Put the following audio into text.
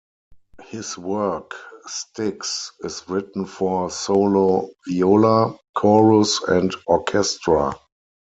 His work "Styx" is written for solo viola, chorus and orchestra.